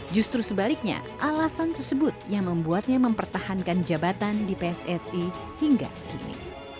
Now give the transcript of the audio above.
justru sebaliknya alasan tersebut yang membuatnya mempertahankan jabatan di pssi hingga kini